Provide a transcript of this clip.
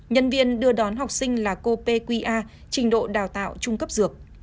nhân viên đưa đón học sinh là cô p q a trình độ đào tạo trung cấp dược